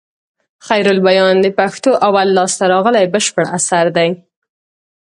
خيرالبيان د پښتو اول لاسته راغلى بشپړ اثر دئ.